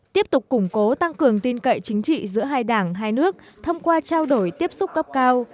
tiếp tục củng cố tăng cường tin cậy chính trị giữa hai đảng hai nước thông qua trao đổi tiếp xúc cấp cao